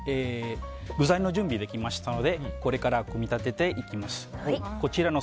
具材の準備ができましたのでこれから組み立てていきます。